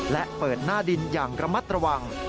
และเปิดหน้าดินอย่างระมัดระวัง